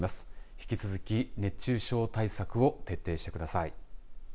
引き続き熱中症対策を徹底してください。